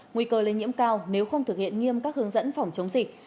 nguy cơ lây nhiễm cao nếu không thực hiện nghiêm các hướng dẫn phòng chống dịch